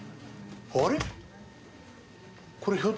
あれ？